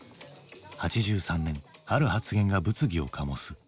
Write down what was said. ８３年ある発言が物議を醸す。